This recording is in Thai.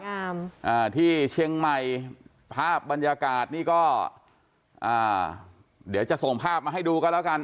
งามอ่าที่เชียงใหม่ภาพบรรยากาศนี่ก็อ่าเดี๋ยวจะส่งภาพมาให้ดูกันแล้วกัน